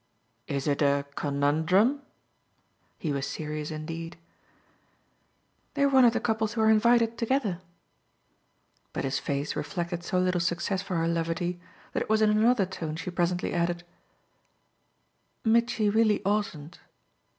"Is it a conundrum?" He was serious indeed. "They're one of the couples who are invited together." But his face reflected so little success for her levity that it was in another tone she presently added: "Mitchy really oughtn't."